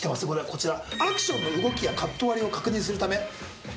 こちら。